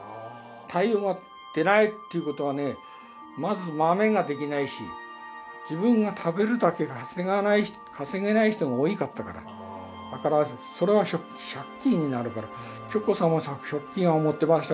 太陽が出ないっていうことはねまず豆ができないし自分が食べるだけ稼げない人が多いかったからだからそれは借金になるから直行さんは借金は持ってました。